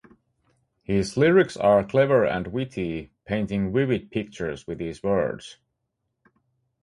His lyrics are clever and witty, painting vivid pictures with his words.